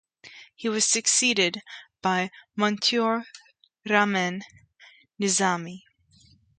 He was succeeded by Motiur Rahman Nizami.